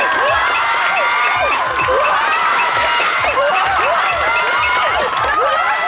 ชุบ